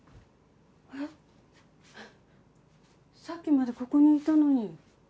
さっきまでここにいたのに。